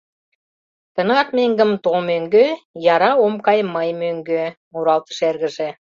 — «Тынар меҥгым толмӧҥгӧ яра ом кай мый мӧҥгӧ...» — муралтыш эргыже.